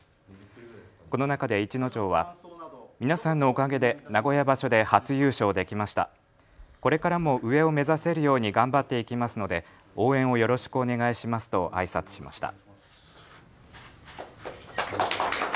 この中で逸ノ城は皆さんのおかげで名古屋場所で初優勝できました、これからも上を目指せるように頑張っていきますので応援をよろしくお願いしますとあいさつしました。